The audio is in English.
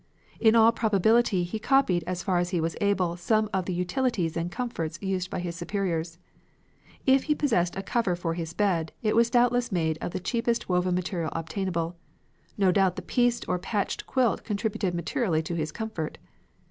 In all probability he copied as far as he was able some of the utilities and comforts used by his superiors. If he possessed a cover for his bed, it was doubtless made of the cheapest woven material obtainable. No doubt the pieced or patched quilt contributed materially to his comfort.